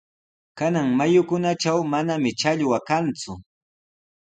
Kanan mayukunatraw mananami challwa kanku.